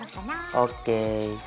ＯＫ。